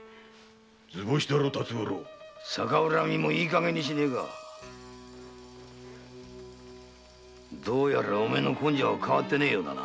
図星だろ辰五郎逆恨みもいいかげんにしねぇかどうやらお前の根性は変わってねぇようだな。